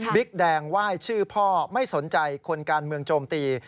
แดงไหว้ชื่อพ่อไม่สนใจคนการเมืองโจมตี